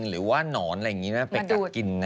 หรือว่านอนอะไรอย่างนี้นะไปกัดกินนะ